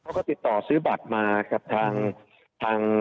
เขาก็ติดต่อซื้อบัตรมากับทาง